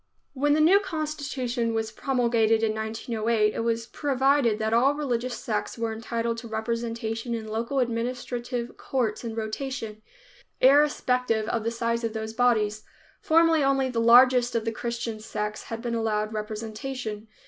When the new constitution was promulgated in 1908, it was provided that all religious sects were to be entitled to representation in the local administrative courts in rotation, irrespective of the size of those bodies. Formerly only the largest of the Christian sects had been allowed representation.